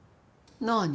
何？